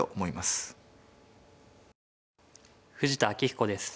富士田明彦です。